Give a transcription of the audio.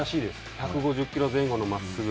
１５０キロ前後のまっすぐ。